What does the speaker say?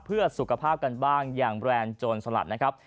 เพื่อสุขภาพกันบ้างอย่างแบรนด์โจรสลัดนะครับ